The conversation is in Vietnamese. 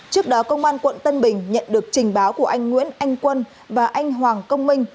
trước đó công an quận tân bình nhận được trình báo của anh nguyễn anh quân và anh hoàng công minh